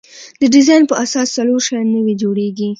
د ډیزاین په اساس څلور شیان نوي جوړیږي.